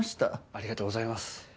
ありがとうございます。